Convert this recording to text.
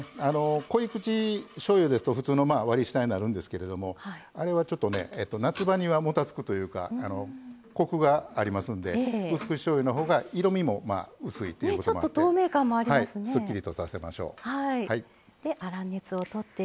濃い口しょうゆですと、普通の割り下になるんですけどもあれは、ちょっと夏場には、もたつくというかコクがありますんでうす口しょうゆのほうが色みも薄いということですっきりとさせましょう。